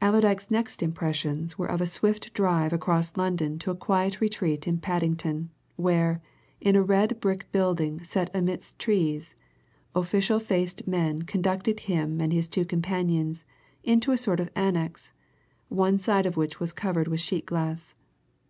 Allerdyke's next impressions were of a swift drive across London to a quiet retreat in Paddington, where, in a red brick building set amidst trees, official faced men conducted him and his two companions into a sort of annex, one side of which was covered with sheet glass.